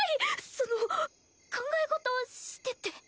その考え事をしてて。